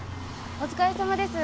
お疲れさまです。